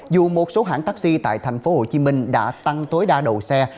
dù một số hãng taxi tại tp hcm đã tăng tối đa đầu xe